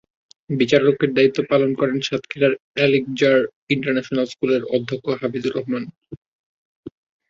বিচারকের দায়িত্ব পালন করেন সাতক্ষীরার এলিকজার ইন্টারন্যাশনাল স্কুলের অধ্যক্ষ হাফিজুর রহমান।